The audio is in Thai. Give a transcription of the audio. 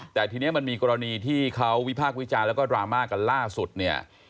แต่ทีนี้มันมีกรณีที่เขาวิพากษ์วิจารณ์แล้วก็ดราม่ากันล่าสุดเนี่ย